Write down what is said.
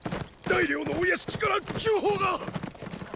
大梁のお屋敷から急報がっ！